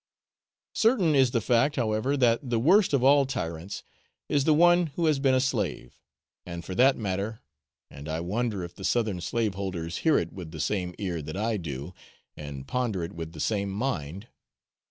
Certain is the fact, however, that the worst of all tyrants is the one who has been a slave; and for that matter (and I wonder if the southern slaveholders hear it with the same ear that I do, and ponder it with the same mind?)